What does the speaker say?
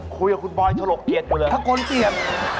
คุยกับคุณบอยทะโรกเกลียดกูเลยนะทะโกนเกลียด